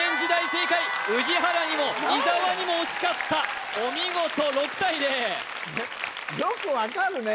正解宇治原にも伊沢にも押し勝ったお見事６対０よく分かるね